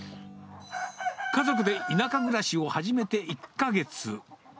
家族で田舎暮らしを始めて、１か月。